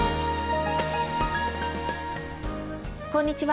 こんにちは。